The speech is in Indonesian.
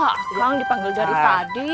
kang dipanggil dari tadi